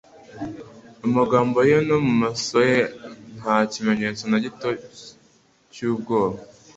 Amagambo ye no mu maso he nta kimenyetso na gito cy’ubwoba